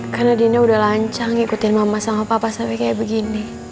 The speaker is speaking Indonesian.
karena dina udah lancang ngikutin mama sama papa sampai kayak begini